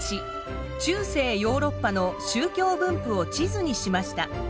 １中世ヨーロッパの宗教分布を地図にしました。